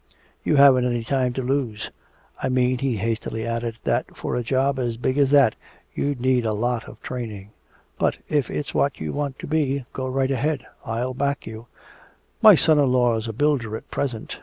"You haven't any time to lose! I mean," he hastily added, "that for a job as big as that you'd need a lot of training. But if it's what you want to be, go right ahead. I'll back you. My son in law is a builder at present.